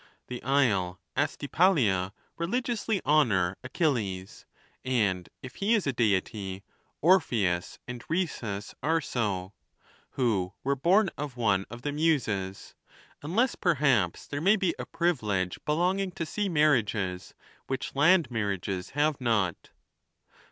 The isle Astypaliea religiously honor Achilles; and if he is a Deity, Orpheus and Rhesus are so, who were born of one of the Muses; unless, perhaps, there may be a privi lege belonging to sea marriages which land marriages have not.